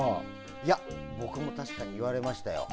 いや、僕も確かに言われましたよ。